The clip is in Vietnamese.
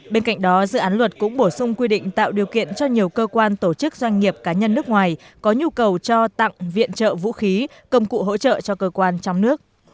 bên cạnh đó dự án luật cũng bổ sung quy định tạo điều kiện cho nhiều cơ quan tổ chức doanh nghiệp cá nhân nước ngoài có nhu cầu cho tặng viện trợ vũ khí công cụ hỗ trợ cho cơ quan trong nước